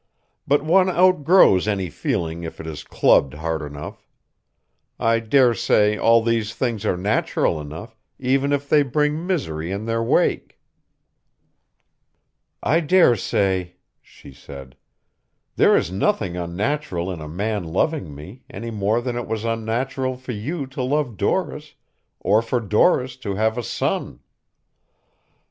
But one outgrows any feeling if it is clubbed hard enough. I daresay all these things are natural enough, even if they bring misery in their wake." "I daresay," she said. "There is nothing unnatural in a man loving me, any more than it was unnatural for you to love Doris, or for Doris to have a son.